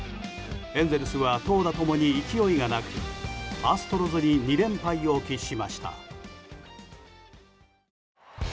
エンゼルスは投打共に勢いがなくアストロズに２連敗を喫しました。